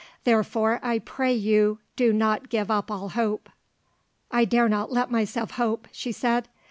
Therefore, I pray you do not give up all hope." "I dare not let myself hope," she said.